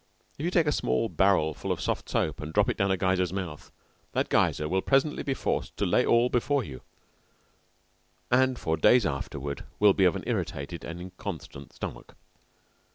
If you take a small barrel full of soft soap and drop it down a geyser's mouth, that geyser will presently be forced to lay all before you, and for days afterward will be of an irritated and inconstant stomach.